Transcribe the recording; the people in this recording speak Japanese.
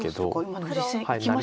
今実戦いきましたね。